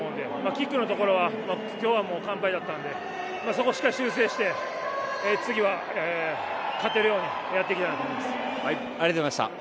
キックのところは今日は完敗だったのでそこをしっかり修正して次は勝てるようにやっていきたいと思います。